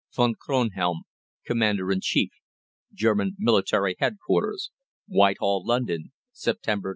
=VON KRONHELM, Commander in Chief.= GERMAN MILITARY HEADQUARTERS, WHITEHALL, LONDON, September 21, 1910.